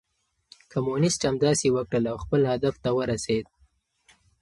کمونيسټ همداسې وکړل او خپل هدف ته ورسېد.